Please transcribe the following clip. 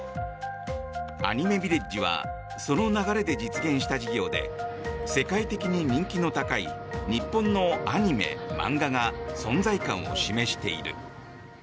アニメビレッジはその流れで実現した事業で世界的に人気の高い日本のアニメ、漫画が存在感を示している。